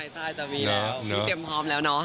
ใช่จะมีแล้ว